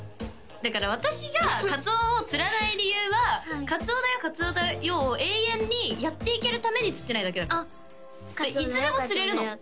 だから私がカツオを釣らない理由は「カツオだよカツオだよ」を永遠にやっていけるために釣ってないだけだから「カツオだよカツオだよ」